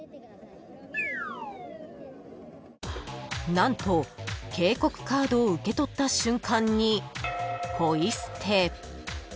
［何と警告カードを受け取った瞬間に］